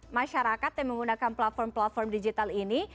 masyarakat yang menggunakan platform platform digital ini